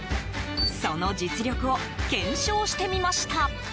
その実力を、検証してみました。